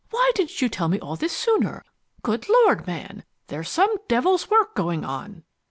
"Why didn't you tell me all this sooner? Good Lord, man, there's some devil's work going on!"